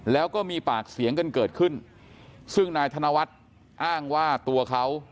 แล้วก็มีปากเสียงกันเกิดขึ้นซึ่งนายธนวัฒน์อ้างว่าตัวเขา